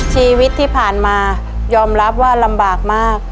ชีวิตที่ผ่านมายอมรับว่าลำบากมาก